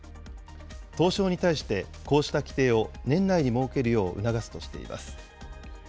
東証に対して、こうした規定を年内に設けるよう促すとしています。